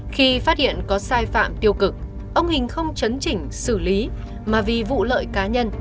khi phát hiện có sai phạm tiêu cực ông hình không chấn chỉnh xử lý mà vì vụ lợi cá nhân